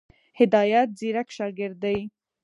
هدایت ځيرک شاګرد دی.